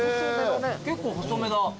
結構細めだ。